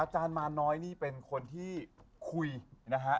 อาจารย์มารน้อยนี่เป็นคนที่คุยนะฮะ